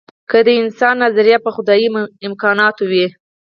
که د انسان نظر په خدايي امکاناتو وي.